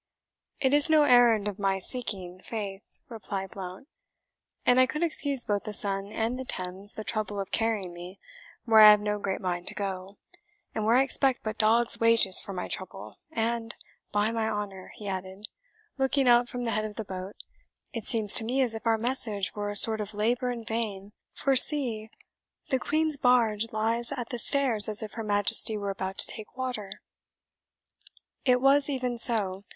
"It is no errand of my seeking, faith," replied Blount, "and I could excuse both the sun and the Thames the trouble of carrying me where I have no great mind to go, and where I expect but dog's wages for my trouble and by my honour," he added, looking out from the head of the boat, "it seems to me as if our message were a sort of labour in vain, for, see, the Queen's barge lies at the stairs as if her Majesty were about to take water." It was even so.